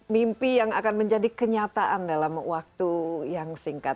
mimpi yang akan menjadi kenyataan dalam waktu yang singkat